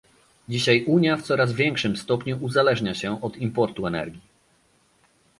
Dzisiaj Unia w coraz większym stopniu uzależnia się od importu energii